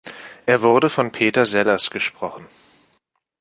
Er wurde von Peter Sellers gesprochen.